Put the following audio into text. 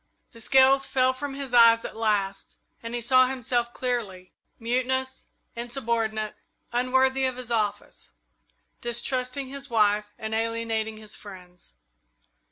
The scales fell from his eyes at last, and he saw himself clearly mutinous, insubordinate, unworthy of his office; distrusting his wife and alienating his friends.